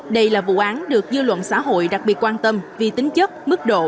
đây là vụ án được dư luận xã hội đặc biệt quan tâm vì tính chất mức độ